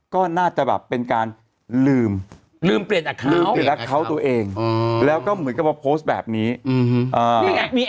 ก็น่าจะแบบเป็นการลืม